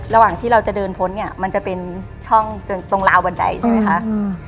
ระหว่างที่เราจะเดินพ้นเนี่ยมันจะเป็นช่องตรงราวบันไดใช่ไหมคะ